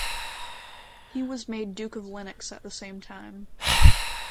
He was made Duke of Lennox at the same time.